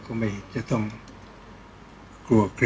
ก็ต้องทำอย่างที่บอกว่าช่องคุณวิชากำลังทำอยู่นั่นนะครับ